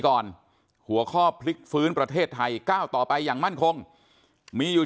ก่อนหัวข้อพลิกฟื้นประเทศไทยก้าวต่อไปอย่างมั่นคงมีอยู่